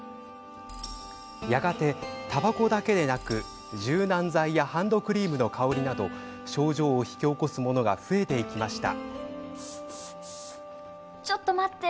やがてたばこだけでなく柔軟剤やハンドクリームの香りなど症状を引き起こすものが増えていきました。